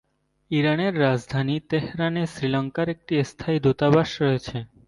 ইরানের রাজধানী তেহরানে, শ্রীলঙ্কার একটি স্থায়ী দূতাবাস রয়েছে।